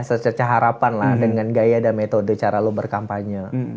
sececah harapan lah dengan gaya dan metode cara lo berkampanye